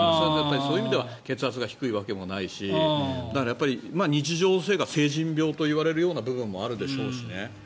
そういう意味では低血圧なわけないしだから、日常生活成人病といわれるような部分もあるでしょうしね。